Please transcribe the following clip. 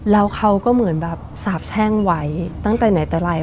แล้วเขาก็เหมือนแบบสาบแช่งไว้ตั้งแต่ไหนแต่ไร